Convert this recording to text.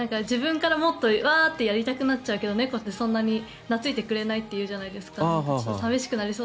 自分からもっとわーってやりたくなっちゃうけど猫ってそんなになついてくれないって言うじゃないですか。